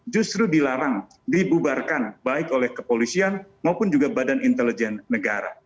justru dilarang dibubarkan baik oleh kepolisian maupun juga badan intelijen negara